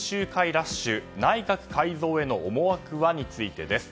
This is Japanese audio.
ラッシュ内閣改造への思惑はについてです。